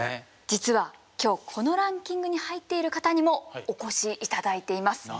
実は今日このランキングに入っている方にもお越し頂いています。